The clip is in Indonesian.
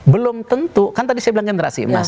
belum tentu kan tadi saya bilang generasi emas